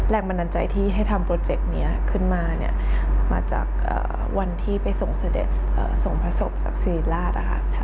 แรงบันดาลใจที่ให้ทำโปรเจกต์นี้ขึ้นมาเนี่ยมาจากวันที่ไปส่งเสด็จส่งพระศพจากศิริราช